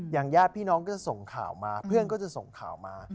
ญาติพี่น้องก็ส่งข่าวมาเพื่อนก็จะส่งข่าวมา